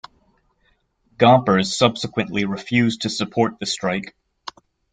Gompers subsequently refused to support the strike.